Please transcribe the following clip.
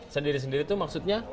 sendiri sendiri itu maksudnya